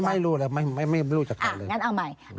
ไม่รู้แล้วไม่รู้จักใครเลย